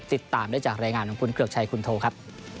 ติดตามได้จากรายงานของคุณเกลือกชัยคุณโทครับ